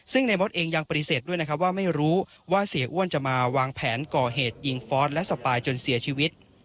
ซึ่งในมดเองยังปฏิเสธด้วยนะครับว่าไม่รู้ว่าเสียอ้วนจะมาวางแผนก่อเหตุยิงฟอสและสปายจนเสียชีวิต